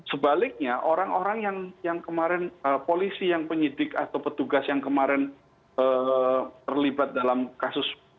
sebaliknya orang orang yang kemarin polisi yang penyidik atau petugas yang kemarin terlibat dalam kasus